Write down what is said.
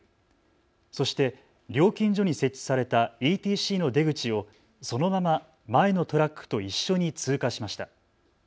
そして料金所に設置されたＥＴＣの出口をそのまま前のトラックと一緒に通過しました。